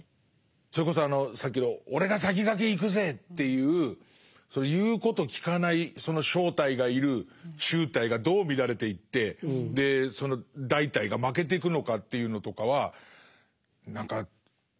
それこそあのさっきの俺が先駆け行くぜっていう言うこと聞かないその小隊がいる中隊がどう乱れていってその大隊が負けてくのかというのとかは何か身にしみて分かるんだろうな。